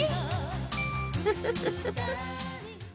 フフフフ。